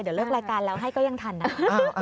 เดี๋ยวเลิกรายการแล้วให้ก็ยังทันนะคะ